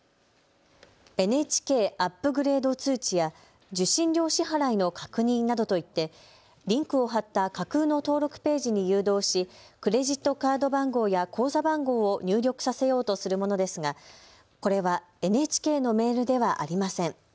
ＮＨＫアップグレード通知や受信料支払いの確認などといってリンクを貼った架空の登録ページに誘導しクレジットカード番号や口座番号を入力させようとするものですが、これはＮＨＫのメールではありません。